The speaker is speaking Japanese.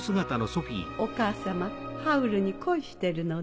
お母様ハウルに恋してるのね。